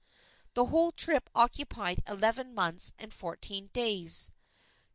The whole trip occupied eleven months and fourteen days.